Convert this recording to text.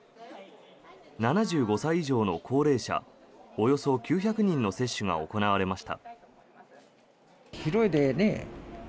７５歳以上の高齢者およそ９００人の接種が行われました。